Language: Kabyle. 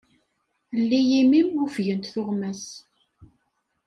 Lli imi-m, ufgent tuɣmas.